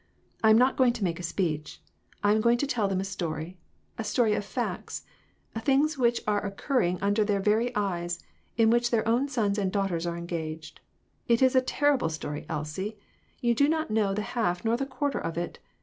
I am not going to make a speech ; I am going to tell them a story ; a story of facts ; things which are occurring under their very eyes, in which their own sons and daughters are engaged. It is a terrible story, Elsie ; you do not know the half nor the quarter of .it.